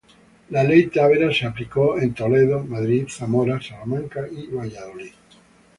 La ley Tavera se aplicó en Toledo, Madrid, Zamora, Salamanca y Valladolid.